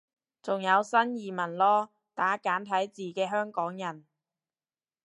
仲有新移民囉，打簡體字嘅香港人